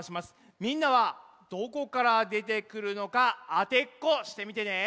みんなはどこからでてくるのかあてっこしてみてね。